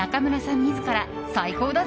自ら最高だぜ！